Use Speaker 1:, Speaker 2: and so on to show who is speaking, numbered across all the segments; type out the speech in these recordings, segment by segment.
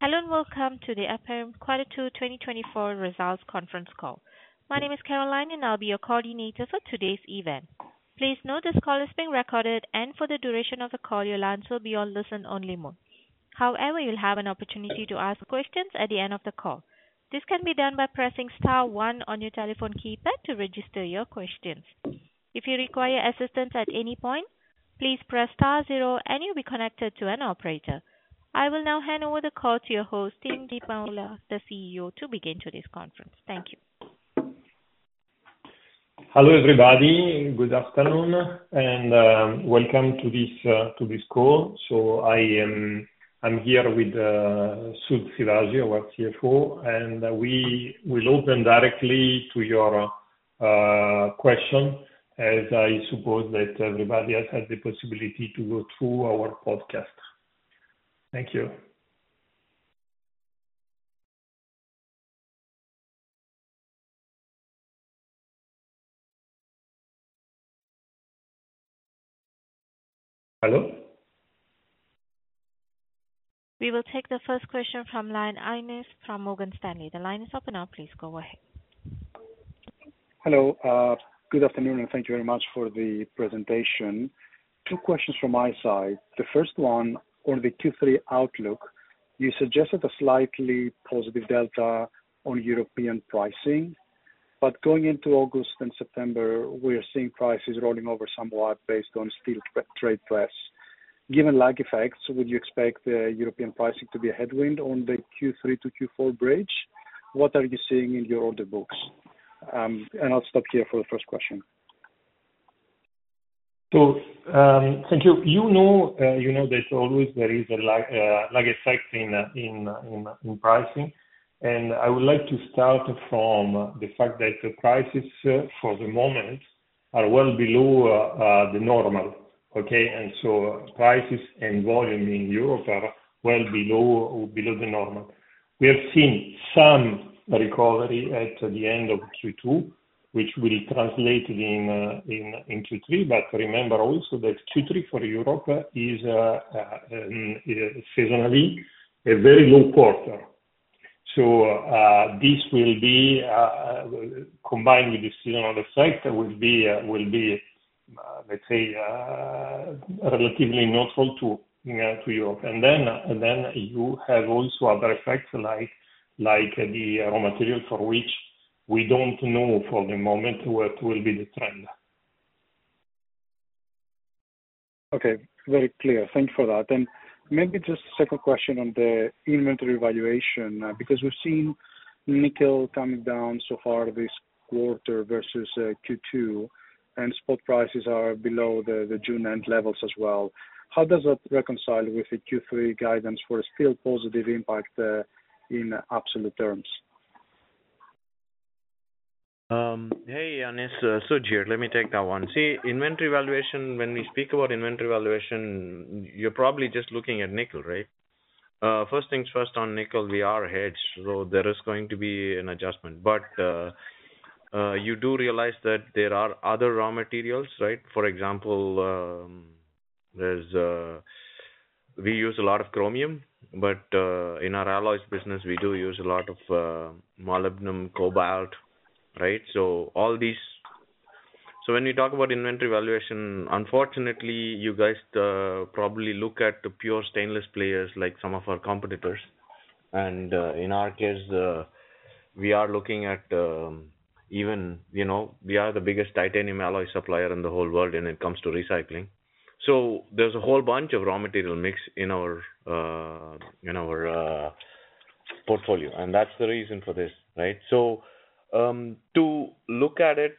Speaker 1: Hello and welcome to the Aperam Q1 2024 Results Conference Call. My name is Caroline, and I'll be your coordinator for today's event. Please note this call is being recorded, and for the duration of the call, your lines will be on listen-only mode. However, you'll have an opportunity to ask questions at the end of the call. This can be done by pressing star one on your telephone keypad to register your questions. If you require assistance at any point, please press star zero, and you'll be connected to an operator. I will now hand over the call to your host, Timoteo Di Maulo, the CEO, to begin today's conference. Thank you.
Speaker 2: Hello everybody. Good afternoon, and welcome to this call. So I'm here with Sud Sivaji, our CFO, and we will open directly to your questions, as I suppose that everybody has had the possibility to go through our podcast. Thank you. Hello?
Speaker 1: We will take the first question from line Yannis from Morgan Stanley. The line is open now. Please go ahead.
Speaker 3: Hello. Good afternoon, and thank you very much for the presentation. Two questions from my side. The first one, on the Q3 outlook, you suggested a slightly positive delta on European pricing, but going into August and September, we're seeing prices rolling over somewhat based on steel trade press. Given lag effects, would you expect European pricing to be a headwind on the Q3 to Q4 bridge? What are you seeing in your order books? I'll stop here for the first question.
Speaker 2: Thank you. You know that always there is a lag effect in pricing, and I would like to start from the fact that the prices for the moment are well below the normal. Okay? And so prices and volume in Europe are well below the normal. We have seen some recovery at the end of Q2, which will translate into Q3, but remember also that Q3 for Europe is seasonally a very low quarter. So this will be, combined with the seasonal effect, will be, let's say, relatively neutral to Europe. And then you have also other effects like the raw material for which we don't know for the moment what will be the trend.
Speaker 3: Okay. Very clear. Thank you for that. Maybe just a second question on the inventory valuation, because we've seen nickel coming down so far this quarter versus Q2, and spot prices are below the June end levels as well. How does that reconcile with the Q3 guidance for a still positive impact in absolute terms?
Speaker 4: Hey, Yannis, Sud here. Let me take that one. See, inventory valuation, when we speak about inventory valuation, you're probably just looking at nickel, right? First things first, on nickel, we are ahead, so there is going to be an adjustment. But you do realize that there are other raw materials, right? For example, we use a lot of chromium, but in our alloys business, we do use a lot of molybdenum, cobalt, right? So when you talk about inventory valuation, unfortunately, you guys probably look at the pure stainless players like some of our competitors. And in our case, we are looking at even we are the biggest titanium alloy supplier in the whole world when it comes to recycling. So there's a whole bunch of raw material mix in our portfolio, and that's the reason for this, right? So to look at it,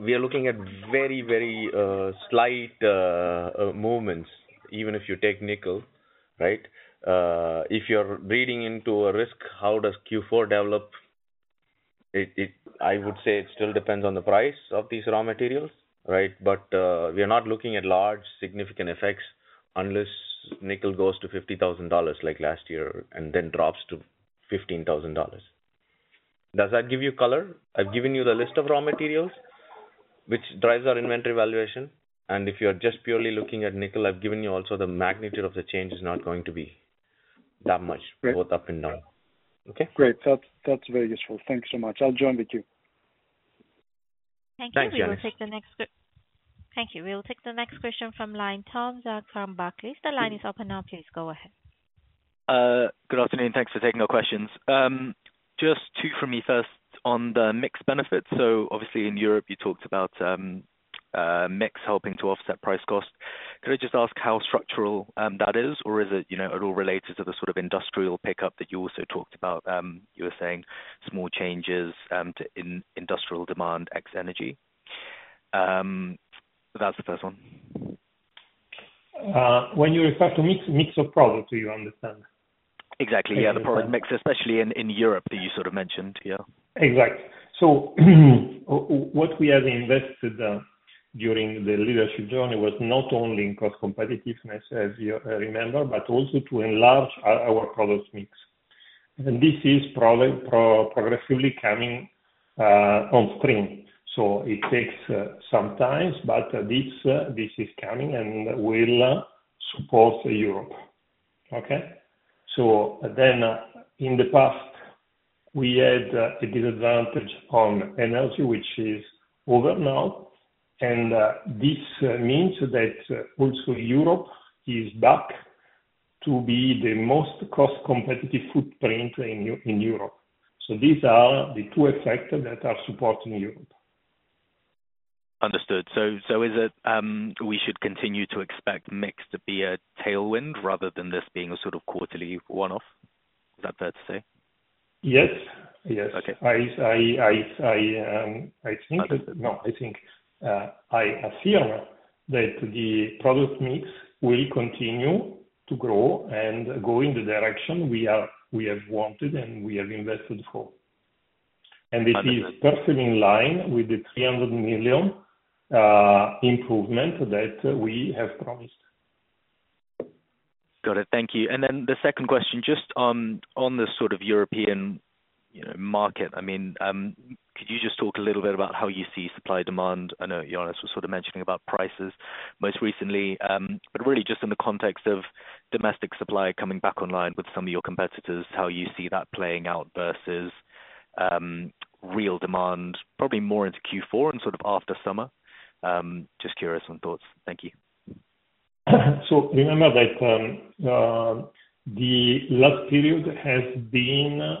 Speaker 4: we are looking at very, very slight movements. Even if you take nickel, right, if you're reading into a risk, how does Q4 develop? I would say it still depends on the price of these raw materials, right? But we are not looking at large significant effects unless nickel goes to $50,000 like last year and then drops to $15,000. Does that give you color? I've given you the list of raw materials which drives our inventory valuation. And if you're just purely looking at nickel, I've given you also the magnitude of the change is not going to be that much, both up and down. Okay?
Speaker 3: Great. That's very useful. Thanks so much. I'll join with you.
Speaker 1: Thank you. We will take the next question. Thank you. We will take the next question from line Tom from Barclays. The line is open now. Please go ahead.
Speaker 5: Good afternoon. Thanks for taking our questions. Just two from me first on the mixed benefits. So obviously, in Europe, you talked about mix helping to offset price cost. Could I just ask how structural that is, or is it at all related to the sort of industrial pickup that you also talked about? You were saying small changes in industrial demand ex-energy. That's the first one.
Speaker 2: When you refer to mix of product, do you understand?
Speaker 5: Exactly. Yeah. The product mix, especially in Europe that you sort of mentioned. Yeah.
Speaker 2: Exactly. So what we have invested during the Leadership Journey was not only in cost competitiveness, as you remember, but also to enlarge our product mix. This is progressively coming on stream. So it takes some time, but this is coming and will support Europe. Okay? So then in the past, we had a disadvantage on energy, which is over now. This means that also Europe is back to be the most cost competitive footprint in Europe. So these are the two effects that are supporting Europe.
Speaker 5: Understood. So is it we should continue to expect mix to be a tailwind rather than this being a sort of quarterly one-off? Is that fair to say?
Speaker 2: Yes. Yes. I think I assume that the product mix will continue to grow and go in the direction we have wanted and we have invested for. This is perfectly in line with the 300 million improvement that we have promised.
Speaker 5: Got it. Thank you. And then the second question, just on the sort of European market, I mean, could you just talk a little bit about how you see supply demand? I know Yannis was sort of mentioning about prices most recently, but really just in the context of domestic supply coming back online with some of your competitors, how you see that playing out versus real demand, probably more into Q4 and sort of after summer? Just curious on thoughts. Thank you.
Speaker 2: So remember that the last period has been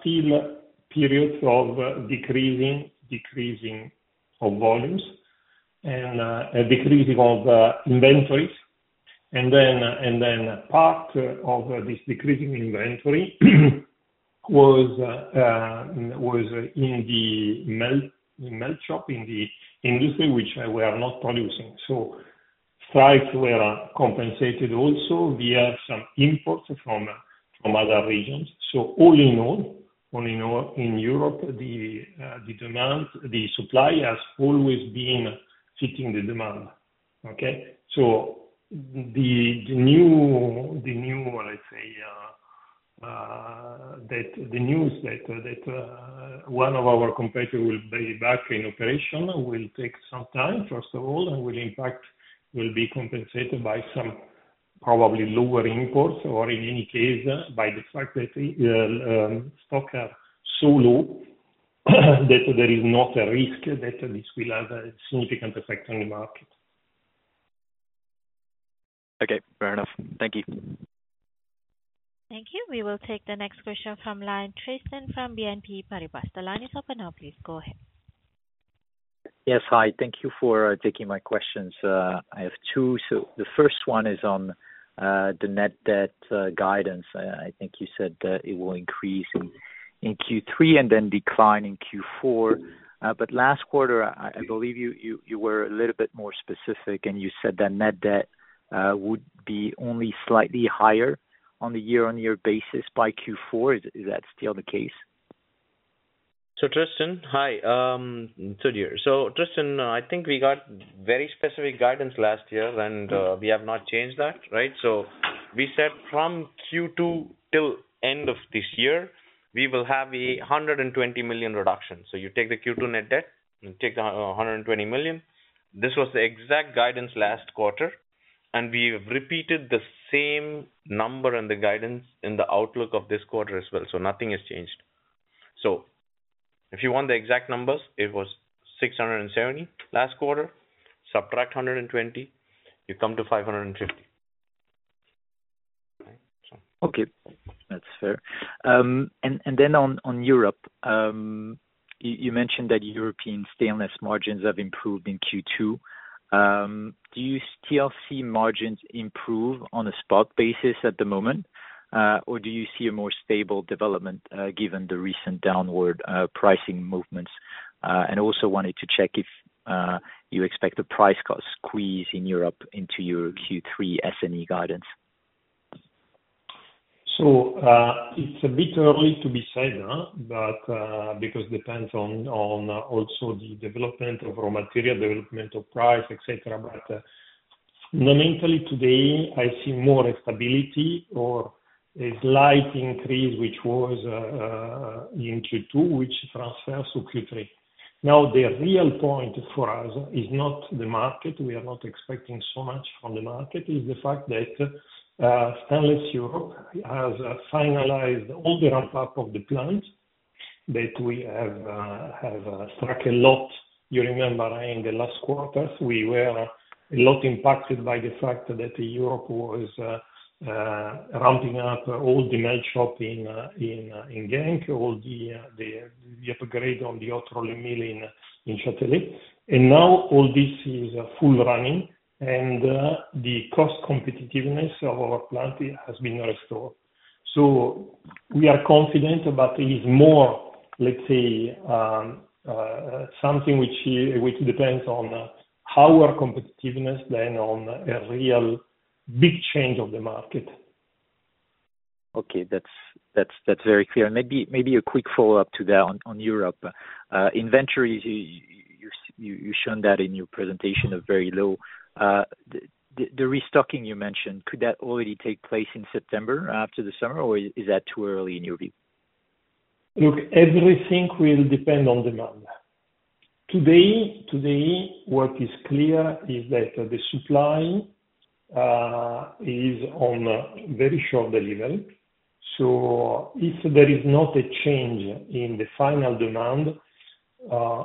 Speaker 2: still periods of decreasing volumes and a decreasing of inventories. And then part of this decreasing inventory was in the melt shop, in the industry, which we are not producing. So strikes were compensated also via some imports from other regions. So all in all, in Europe, the supply has always been fitting the demand. Okay? So the new, let's say, that the news that one of our competitors will be back in operation will take some time, first of all, and will impact will be compensated by some probably lower imports or in any case by the fact that stock are so low that there is not a risk that this will have a significant effect on the market.
Speaker 5: Okay. Fair enough. Thank you.
Speaker 1: Thank you. We will take the next question from line Tristan from BNP Paribas. The line is open now. Please go ahead.
Speaker 6: Yes. Hi. Thank you for taking my questions. I have two. So the first one is on the net debt guidance. I think you said that it will increase in Q3 and then decline in Q4. But last quarter, I believe you were a little bit more specific, and you said that net debt would be only slightly higher on the year-on-year basis by Q4. Is that still the case?
Speaker 4: Tristan, hi. Sud here. Tristan, I think we got very specific guidance last year, and we have not changed that, right? We said from Q2 till end of this year, we will have a 120 million reduction. You take the Q2 net debt and take the 120 million. This was the exact guidance last quarter, and we have repeated the same number and the guidance in the outlook of this quarter as well. Nothing has changed. If you want the exact numbers, it was 670 million last quarter. Subtract 120 million, you come to 550 million.
Speaker 6: Okay. That's fair. And then on Europe, you mentioned that European stainless margins have improved in Q2. Do you still see margins improve on a spot basis at the moment, or do you see a more stable development given the recent downward pricing movements? And also wanted to check if you expect the price cost squeeze in Europe into your Q3 S&S guidance.
Speaker 2: So it's a bit early to be said, but because it depends on also the development of raw material, development of price, etc. But fundamentally today, I see more stability or a slight increase which was in Q2, which transfers to Q3. Now, the real point for us is not the market. We are not expecting so much from the market. It's the fact that Stainless Europe has finalized all the ramp-up of the plants that we have shut a lot. You remember in the last quarter, we were a lot impacted by the fact that Europe was ramping up all the melt shop in Genk, all the upgrade on the hot rolling mill in Châtelet. And now all this is full running, and the cost competitiveness of our plant has been restored. We are confident, but it is more, let's say, something which depends on our competitiveness than on a real big change of the market.
Speaker 6: Okay. That's very clear. Maybe a quick follow-up to that on Europe. Inventory, you've shown that in your presentation of very low. The restocking you mentioned, could that already take place in September after the summer, or is that too early in your view?
Speaker 2: Look, everything will depend on demand. Today, what is clear is that the supply is on very short delivery. So if there is not a change in the final demand,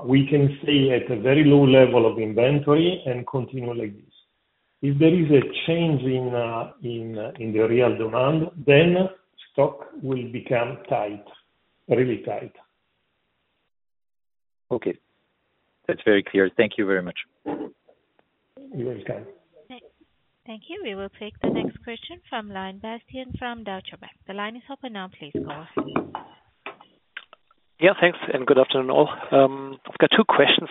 Speaker 2: we can stay at a very low level of inventory and continue like this. If there is a change in the real demand, then stock will become tight, really tight.
Speaker 6: Okay. That's very clear. Thank you very much.
Speaker 2: You're welcome.
Speaker 1: Thank you. We will take the next question from line Bastian from Deutsche Bank. The line is open now. Please go ahead.
Speaker 7: Yeah. Thanks. Good afternoon all. I've got two questions.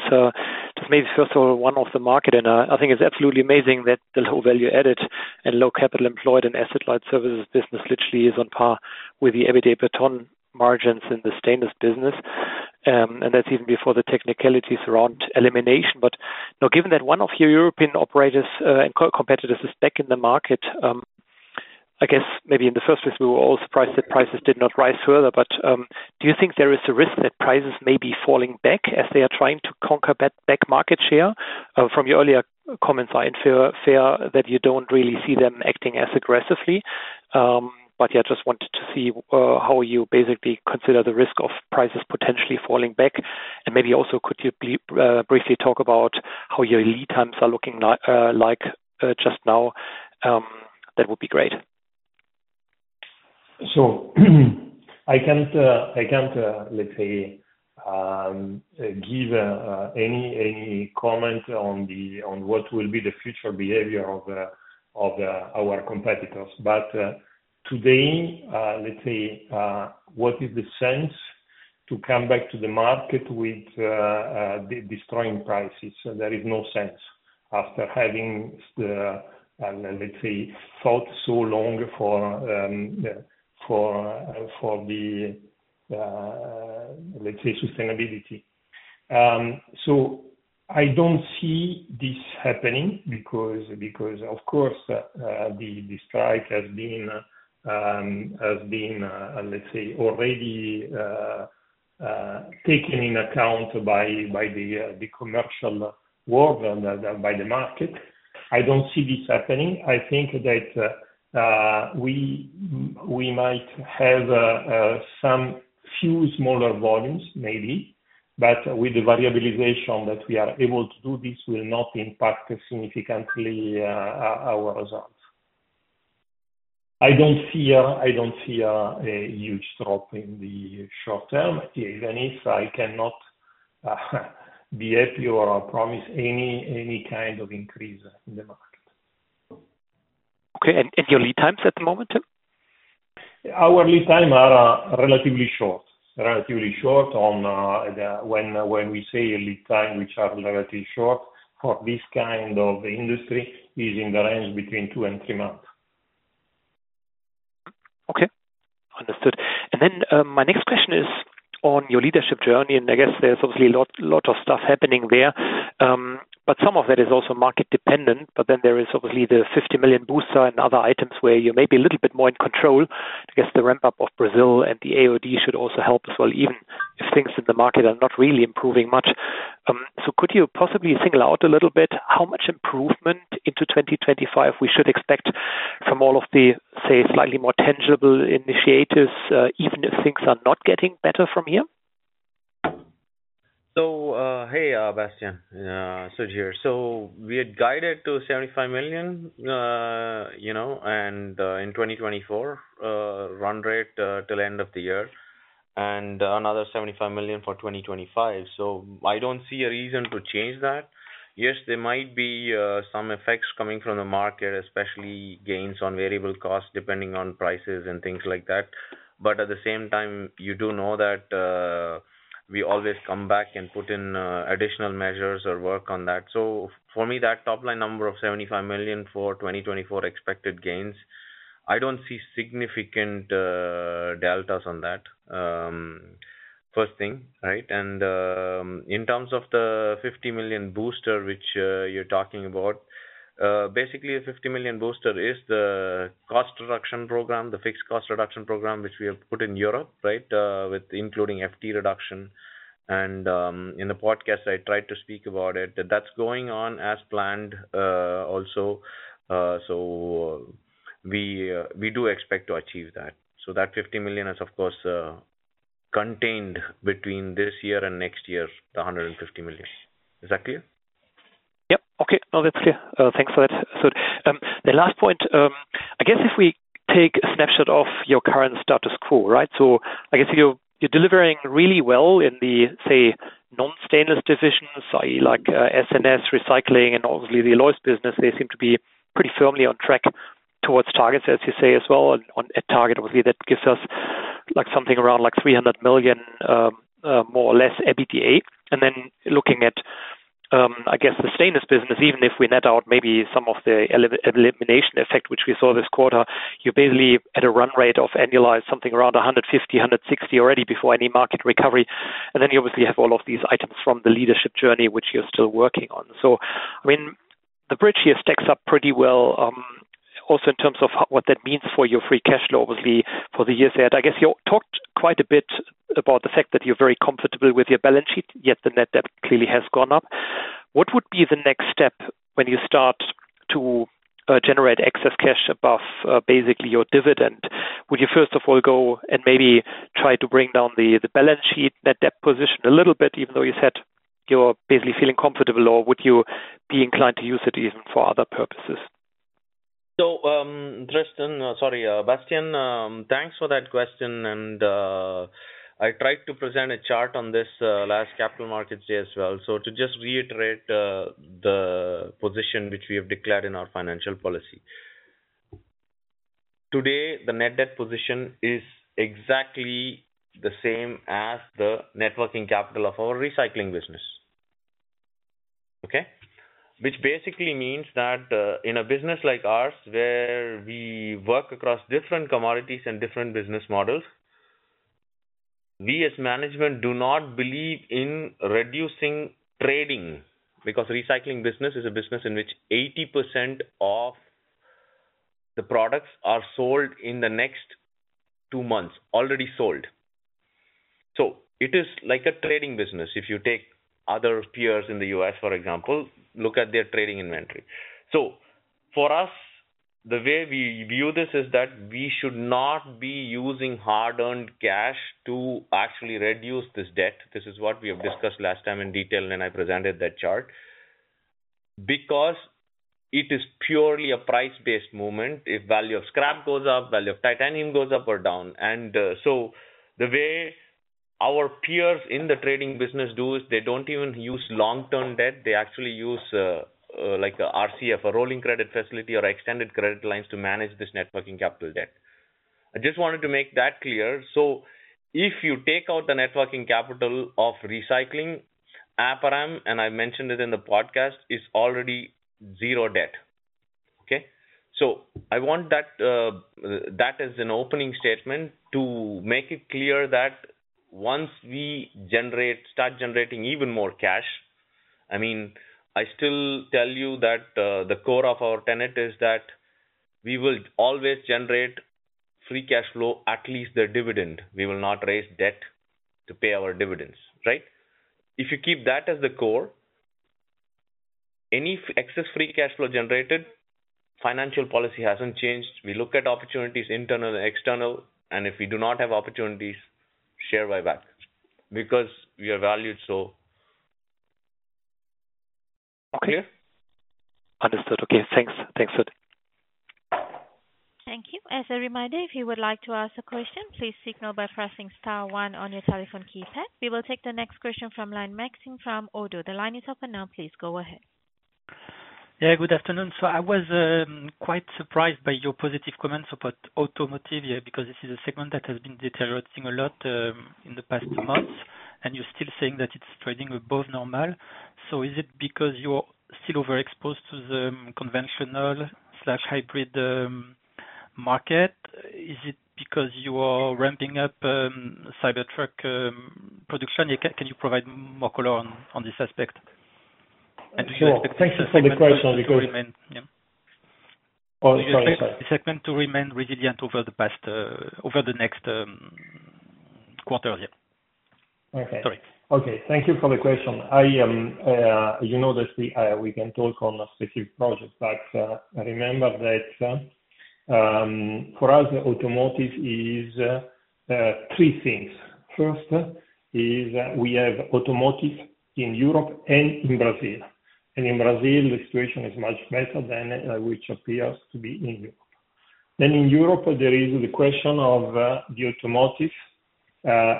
Speaker 7: Just maybe first of all, one on the market, and I think it's absolutely amazing that the low value-added and low capital employed, asset-light services business literally is on par with the everyday EBITDA margins in the stainless business. And that's even before the technicalities around elimination. But now, given that one of your European operators and competitors is back in the market, I guess maybe in the first place, we were all surprised that prices did not rise further. But do you think there is a risk that prices may be falling back as they are trying to conquer back market share? From your earlier comments, I fear that you don't really see them acting as aggressively. But yeah, I just wanted to see how you basically consider the risk of prices potentially falling back. Maybe also, could you briefly talk about how your lead times are looking like just now? That would be great.
Speaker 2: So I can't, let's say, give any comment on what will be the future behavior of our competitors. But today, let's say, what is the sense to come back to the market with destroying prices? There is no sense after having, let's say, fought so long for the, let's say, sustainability. So I don't see this happening because, of course, the strike has been, let's say, already taken into account by the commercial world and by the market. I don't see this happening. I think that we might have some few smaller volumes, maybe, but with the variabilization that we are able to do, this will not impact significantly our results. I don't see a huge drop in the short term, even if I cannot be happy or promise any kind of increase in the market.
Speaker 7: Okay. Your lead times at the moment too?
Speaker 2: Our lead times are relatively short. Relatively short on when we say lead time, which are relatively short for this kind of industry, is in the range between 2 and 3 months.
Speaker 7: Okay. Understood. And then my next question is on your Leadership Journey. And I guess there's obviously a lot of stuff happening there, but some of that is also market-dependent. But then there is obviously the 50 million booster and other items where you may be a little bit more in control. I guess the ramp-up of Brazil and the AOD should also help as well, even if things in the market are not really improving much. So could you possibly single out a little bit how much improvement into 2025 we should expect from all of the, say, slightly more tangible initiatives, even if things are not getting better from here?
Speaker 4: So hey, Bastian, Sud here. So we had guided to 75 million in 2024, run rate till end of the year, and another 75 million for 2025. So I don't see a reason to change that. Yes, there might be some effects coming from the market, especially gains on variable costs depending on prices and things like that. But at the same time, you do know that we always come back and put in additional measures or work on that. So for me, that top-line number of 75 million for 2024 expected gains, I don't see significant deltas on that, first thing, right? And in terms of the 50 million booster, which you're talking about, basically, a 50 million booster is the cost reduction program, the fixed cost reduction program, which we have put in Europe, right, including FTE reduction. And in the podcast, I tried to speak about it. That's going on as planned also. So we do expect to achieve that. So that 50 million is, of course, contained between this year and next year, the 150 million. Is that clear?
Speaker 7: Yep. Okay. No, that's clear. Thanks for that, Sud. The last point, I guess if we take a snapshot of your current status quo, right? So I guess you're delivering really well in the, say, non-stainless divisions, like S&S, recycling, and obviously the Alloys business. They seem to be pretty firmly on track towards targets, as you say, as well. And at target, obviously, that gives us something around 300 million, more or less, EBITDA. And then looking at, I guess, the stainless business, even if we net out maybe some of the elimination effect, which we saw this quarter, you're basically at a run rate of annualized something around 150-160 already before any market recovery. And then you obviously have all of these items from the Leadership Journey, which you're still working on. So I mean, the bridge here stacks up pretty well also in terms of what that means for your free cash flow, obviously, for the years ahead. I guess you talked quite a bit about the fact that you're very comfortable with your balance sheet, yet the net debt clearly has gone up. What would be the next step when you start to generate excess cash above basically your dividend? Would you, first of all, go and maybe try to bring down the balance sheet net debt position a little bit, even though you said you're basically feeling comfortable, or would you be inclined to use it even for other purposes?
Speaker 4: So, Bastian, thanks for that question. I tried to present a chart on this last Capital Markets Day as well. So to just reiterate the position which we have declared in our financial policy, today, the net debt position is exactly the same as the net working capital of our recycling business, okay? Which basically means that in a business like ours, where we work across different commodities and different business models, we as management do not believe in reducing trading because the recycling business is a business in which 80% of the products are sold in the next two months, already sold. So it is like a trading business. If you take other peers in the U.S., for example, look at their trading inventory. So for us, the way we view this is that we should not be using hard-earned cash to actually reduce this debt. This is what we have discussed last time in detail, and I presented that chart because it is purely a price-based movement. If value of scrap goes up, value of titanium goes up or down. And so the way our peers in the trading business do is they don't even use long-term debt. They actually use RCF, a rolling credit facility, or extended credit lines to manage this working capital debt. I just wanted to make that clear. So if you take out the working capital of recycling, Aperam, and I mentioned it in the podcast, is already zero debt. Okay? So I want that as an opening statement to make it clear that once we start generating even more cash, I mean, I still tell you that the core of our tenet is that we will always generate free cash flow, at least the dividend. We will not raise debt to pay our dividends, right? If you keep that as the core, any excess free cash flow generated, financial policy hasn't changed. We look at opportunities, internal and external. And if we do not have opportunities, share buyback because we are valued so.
Speaker 7: Okay. Understood. Okay. Thanks. Thanks, Sud.
Speaker 1: Thank you. As a reminder, if you would like to ask a question, please signal by pressing star one on your telephone keypad. We will take the next question from line Maxime from ODDO. The line is open now. Please go ahead.
Speaker 8: Yeah. Good afternoon. So I was quite surprised by your positive comments about automotive because this is a segment that has been deteriorating a lot in the past months, and you're still saying that it's trading above normal. So is it because you're still overexposed to the conventional/hybrid market? Is it because you are ramping up Cybertruck production? Can you provide more color on this aspect? And do you expect this to remain?
Speaker 2: Thanks for the question.
Speaker 8: Oh, sorry. This segment to remain resilient over the next quarter?
Speaker 2: Okay. Thank you for the question. You know that we can talk on specific projects, but remember that for us, automotive is three things. First is we have automotive in Europe and in Brazil. And in Brazil, the situation is much better than it appears to be in Europe. Then in Europe, there is the question of the automotive,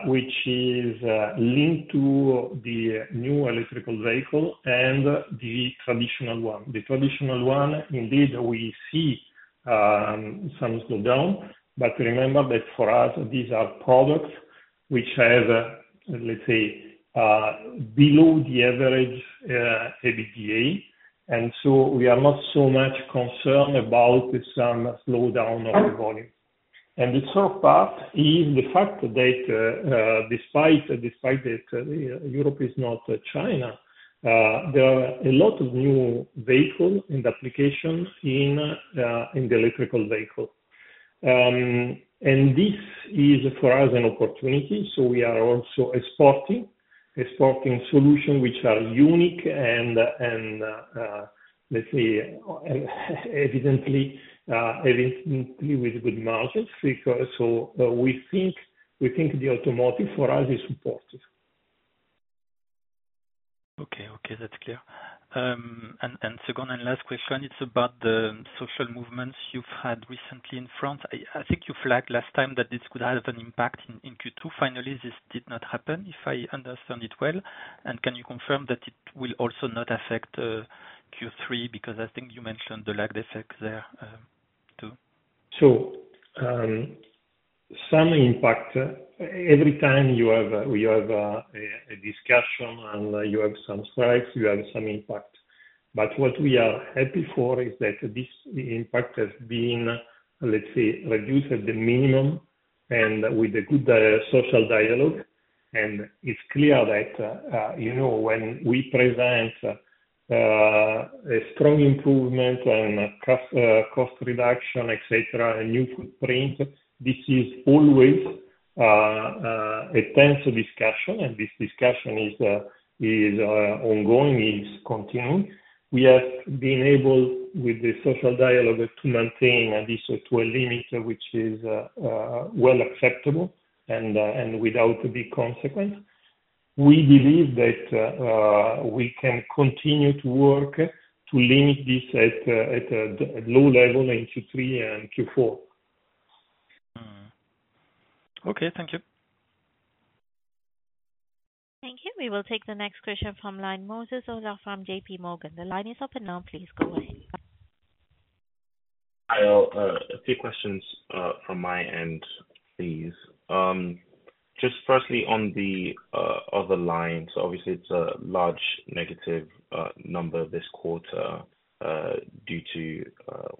Speaker 2: which is linked to the new electric vehicle and the traditional one. The traditional one, indeed, we see some slowdown, but remember that for us, these are products which have, let's say, below the average EBITDA. And so we are not so much concerned about some slowdown of the volume. And the third part is the fact that despite that Europe is not China, there are a lot of new vehicles and applications in the electric vehicle. And this is for us an opportunity. So we are also exporting, exporting solutions which are unique and, let's say, evidently with good margins. So we think the automotive for us is supportive.
Speaker 8: Okay. Okay. That's clear. And second and last question, it's about the social movements you've had recently in France. I think you flagged last time that this could have an impact in Q2. Finally, this did not happen, if I understand it well. And can you confirm that it will also not affect Q3? Because I think you mentioned the lagged effect there, too.
Speaker 2: So some impact. Every time you have a discussion and you have some strikes, you have some impact. But what we are happy for is that this impact has been, let's say, reduced at the minimum and with a good social dialogue. And it's clear that when we present a strong improvement and cost reduction, etc., a new footprint, this is always a tense discussion. And this discussion is ongoing, is continuing. We have been able, with the social dialogue, to maintain this to a limit which is well acceptable and without big consequence. We believe that we can continue to work to limit this at a low level in Q3 and Q4.
Speaker 8: Okay. Thank you.
Speaker 1: Thank you. We will take the next question from the line of Moses from J.P. Morgan. The line is open now. Please go ahead.
Speaker 9: A few questions from my end, please. Just firstly, on the other line, so obviously, it's a large negative number this quarter due to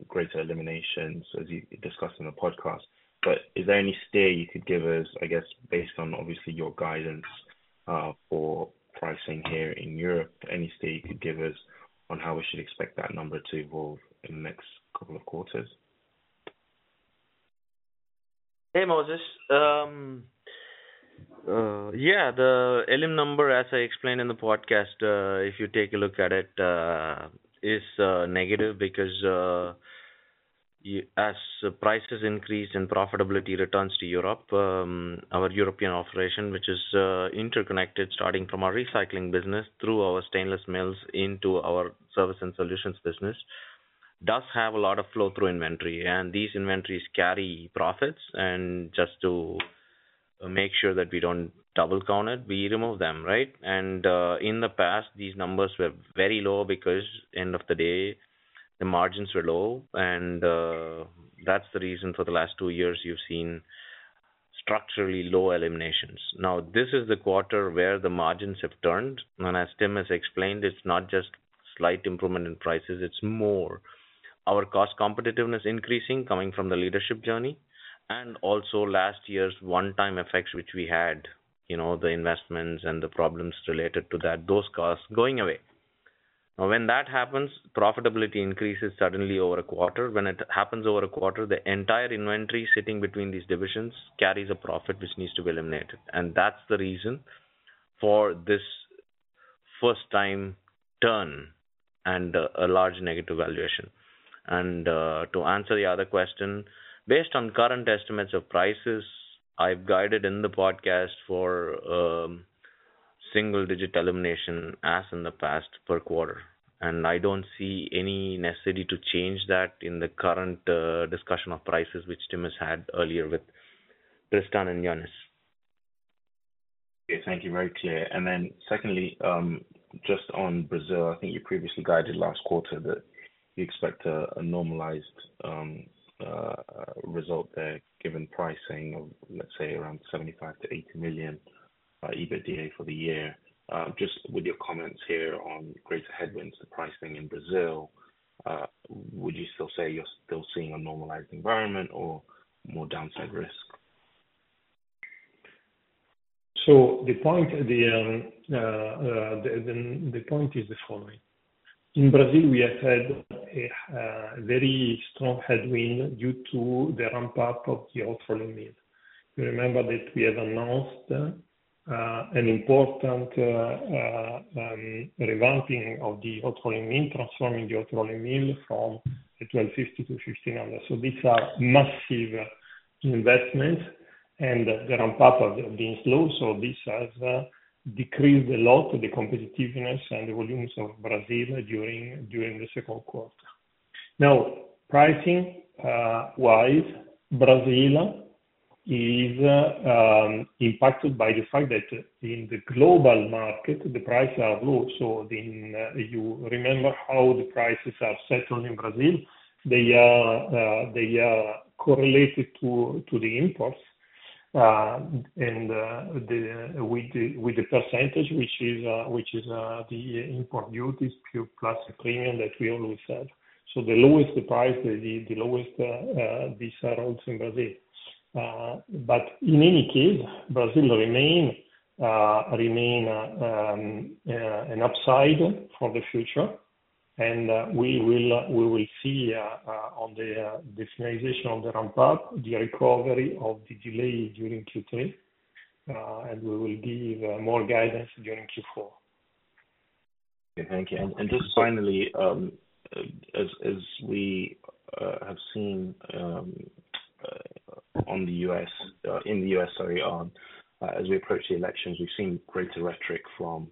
Speaker 9: greater eliminations, as you discussed in the podcast. But is there any steer you could give us, I guess, based on obviously your guidance for pricing here in Europe? Any steer you could give us on how we should expect that number to evolve in the next couple of quarters?
Speaker 4: Hey, Moses. Yeah. The Elim number, as I explained in the podcast, if you take a look at it, is negative because as prices increase and profitability returns to Europe, our European operation, which is interconnected starting from our recycling business through our stainless mills into our Services & Solutions business, does have a lot of flow-through inventory. And these inventories carry profits. And just to make sure that we don't double count it, we remove them, right? And in the past, these numbers were very low because end of the day, the margins were low. And that's the reason for the last two years you've seen structurally low eliminations. Now, this is the quarter where the margins have turned. And as Tim has explained, it's not just slight improvement in prices. It's more. Our cost competitiveness increasing coming from the Leadership Journey and also last year's one-time effects, which we had, the investments and the problems related to that, those costs going away. Now, when that happens, profitability increases suddenly over a quarter. When it happens over a quarter, the entire inventory sitting between these divisions carries a profit which needs to be eliminated. That's the reason for this first-time turn and a large negative valuation. To answer the other question, based on current estimates of prices, I've guided in the podcast for single-digit elimination as in the past per quarter. I don't see any necessity to change that in the current discussion of prices, which Tim has had earlier with Tristan and Yannis.
Speaker 9: Okay. Thank you. Very clear. And then secondly, just on Brazil, I think you previously guided last quarter that you expect a normalized result there given pricing of, let's say, around 75 million- 80 million EBITDA for the year. Just with your comments here on greater headwinds to pricing in Brazil, would you still say you're still seeing a normalized environment or more downside risk?
Speaker 2: So the point is the following. In Brazil, we have had a very strong headwind due to the ramp-up of the hot rolling mill. You remember that we have announced an important revamping of the hot rolling mill, transforming the hot rolling mill from 1250 to 1500. So these are massive investments, and the ramp-up has been slow. So this has decreased a lot the competitiveness and the volumes of Brazil during the second quarter. Now, pricing-wise, Brazil is impacted by the fact that in the global market, the prices are low. So you remember how the prices are settled in Brazil? They are correlated to the imports and with the percentage, which is the import duties plus the premium that we always have. So the lowest price, the lowest, these are also in Brazil. But in any case, Brazil remains an upside for the future. We will see on the finalization of the ramp-up, the recovery of the delay during Q3, and we will give more guidance during Q4.
Speaker 9: Okay. Thank you. And just finally, as we have seen in the U.S., sorry, as we approach the elections, we've seen greater rhetoric from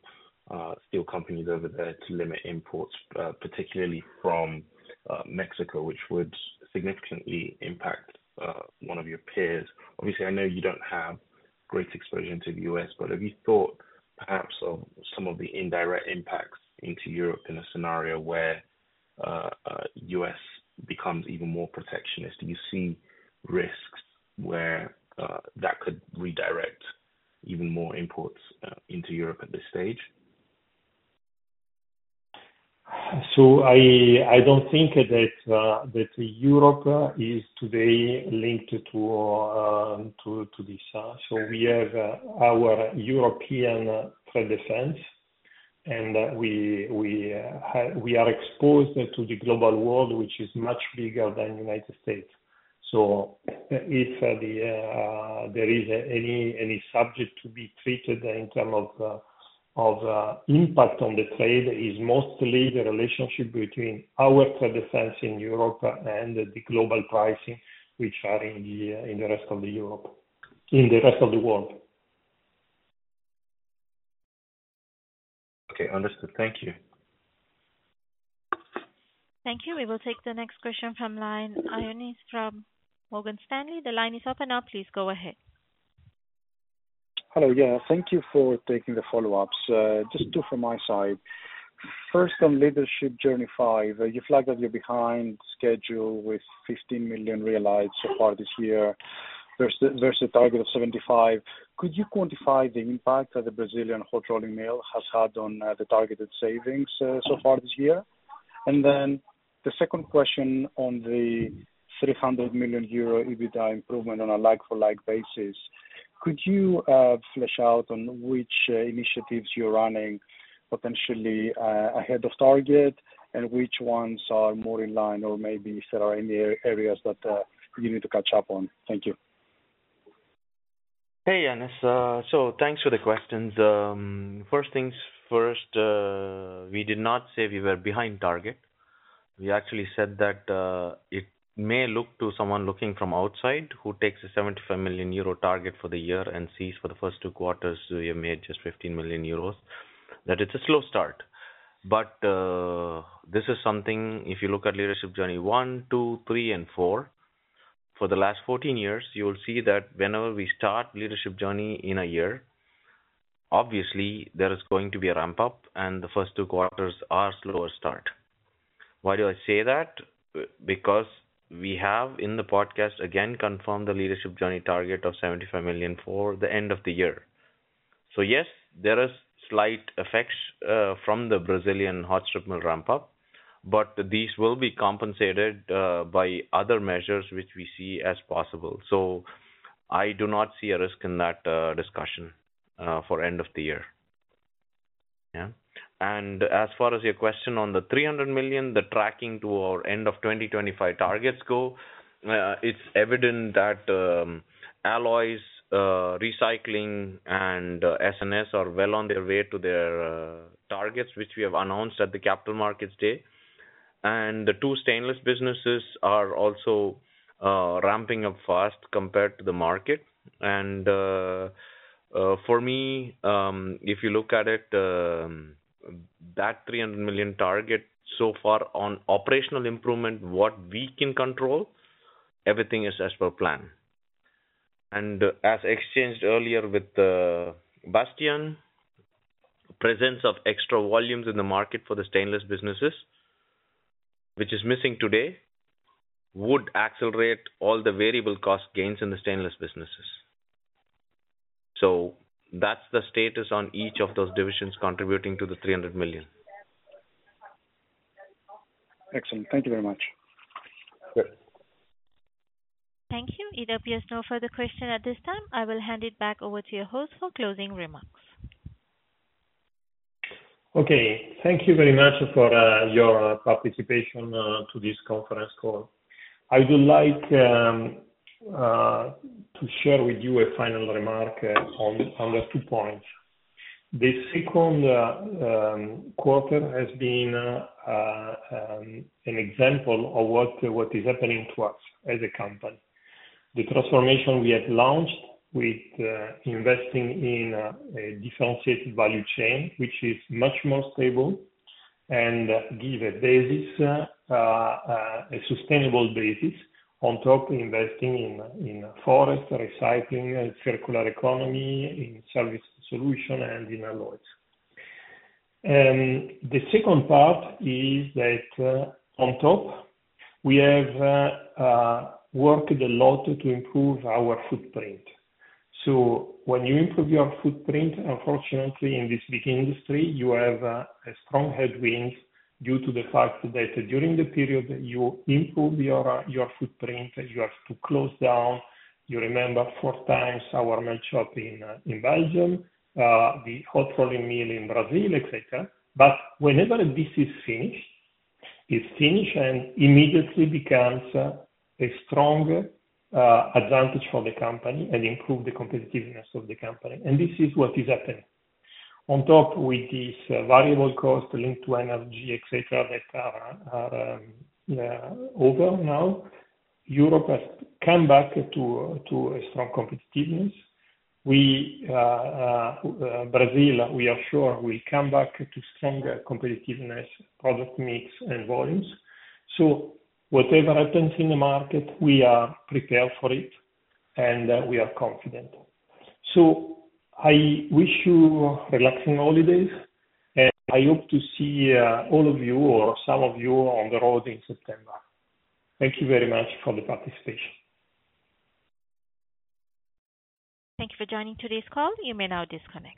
Speaker 9: steel companies over there to limit imports, particularly from Mexico, which would significantly impact one of your peers. Obviously, I know you don't have great exposure into the U.S., but have you thought perhaps of some of the indirect impacts into Europe in a scenario where the U.S. becomes even more protectionist? Do you see risks where that could redirect even more imports into Europe at this stage?
Speaker 2: I don't think that Europe is today linked to this. We have our European trade defense, and we are exposed to the global world, which is much bigger than the United States. If there is any subject to be treated in terms of impact on the trade, it is mostly the relationship between our trade defense in Europe and the global pricing, which are in the rest of the world.
Speaker 9: Okay. Understood. Thank you.
Speaker 1: Thank you. We will take the next question from line Yannis from Morgan Stanley. The line is open now. Please go ahead.
Speaker 3: Hello. Yeah. Thank you for taking the follow-ups. Just two from my side. First, on Leadership Journey 5, you flagged that you're behind schedule with 15 million realized so far this year, versus a target of 75 million. Could you quantify the impact that the Brazilian hot rolling mill has had on the targeted savings so far this year? And then the second question on the 300 million euro EBITDA improvement on a like-for-like basis, could you flesh out on which initiatives you're running potentially ahead of target and which ones are more in line or maybe if there are any areas that you need to catch up on? Thank you.
Speaker 4: Hey, Yannis. So thanks for the questions. First things first, we did not say we were behind target. We actually said that it may look to someone looking from outside who takes a 75 million euro target for the year and sees for the first two quarters, we have made just 15 million euros, that it's a slow start. But this is something if you look at Leadership Journey one, two, three, and four, for the last 14 years, you will see that whenever we start Leadership Journey in a year, obviously, there is going to be a ramp-up, and the first two quarters are a slower start. Why do I say that? Because we have in the podcast again confirmed the Leadership Journey target of 75 million for the end of the year. So yes, there are slight effects from the Brazilian hot strip mill ramp-up, but these will be compensated by other measures which we see as possible. So I do not see a risk in that discussion for end of the year. Yeah. And as far as your question on the 300 million, the tracking to our end of 2025 targets go, it's evident that alloys, recycling, and S&S are well on their way to their targets, which we have announced at the capital markets day. And the two stainless businesses are also ramping up fast compared to the market. And for me, if you look at it, that 300 million target so far on operational improvement, what we can control, everything is as per plan. As exchanged earlier with Bastian, presence of extra volumes in the market for the stainless businesses, which is missing today, would accelerate all the variable cost gains in the stainless businesses. That's the status on each of those divisions contributing to the 300 million.
Speaker 3: Excellent. Thank you very much.
Speaker 1: Thank you. Either of you has no further question at this time. I will hand it back over to your host for closing remarks.
Speaker 2: Okay. Thank you very much for your participation in this conference call. I would like to share with you a final remark on the two points. The second quarter has been an example of what is happening to us as a company. The transformation we have launched with investing in a differentiated value chain, which is much more stable and gives a basis, a sustainable basis on top, investing in forest, recycling, circular economy, in Services & Solutions, and in alloys. The second part is that on top, we have worked a lot to improve our footprint. So when you improve your footprint, unfortunately, in this big industry, you have a strong headwind due to the fact that during the period you improve your footprint, you have to close down. You remember four times our melt shop in Belgium, the hot rolling mill in Brazil, etc. But whenever this is finished, it's finished and immediately becomes a strong advantage for the company and improves the competitiveness of the company. And this is what is happening. On top, with these variable costs linked to energy, etc., that are over now, Europe has come back to a strong competitiveness. Brazil, we are sure, will come back to stronger competitiveness, product mix, and volumes. So whatever happens in the market, we are prepared for it, and we are confident. So I wish you relaxing holidays, and I hope to see all of you or some of you on the road in September. Thank you very much for the participation.
Speaker 1: Thank you for joining today's call. You may now disconnect.